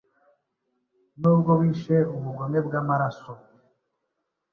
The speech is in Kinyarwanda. Nubwo wishe ubugome bwamaraso